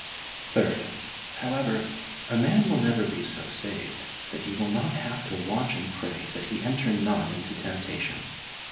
(3.) However, a man will never be so saved that he will not have to watch and pray that he enter not into temptation.